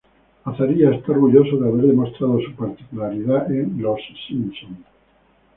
Azaria está orgulloso de haber demostrado su particularidad en "Los Simpson".